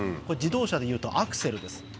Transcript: これ自動車でいうとアクセルです。